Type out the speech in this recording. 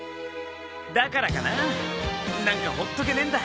だからかな何かほっとけねえんだ。